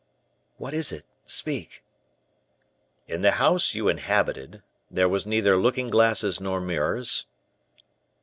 "What is it? speak." "In the house you inhabited there were neither looking glasses nor mirrors?"